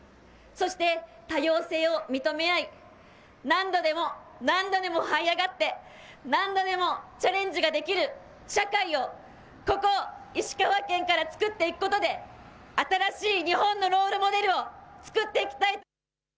そして多様性を認め合い、何度でも何度でもはい上がって、何度でもチャレンジができる社会を、ここ石川県からつくっていくことで、新しい日本のロールモデルをつくっていきたい。